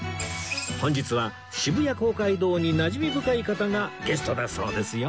本日は渋谷公会堂になじみ深い方がゲストだそうですよ